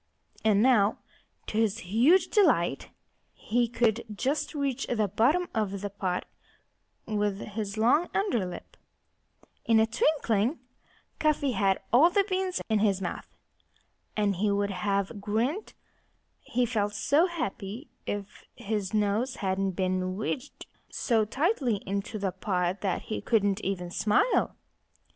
And now, to his huge delight, he could just reach the bottom of the pot with his long under lip. In a twinkling Cuffy had all the beans in his mouth. And he would have grinned he felt so happy if his nose hadn't been wedged so tightly into the pot that he couldn't even smile.